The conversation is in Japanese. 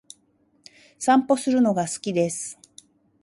散歩するのが好きです。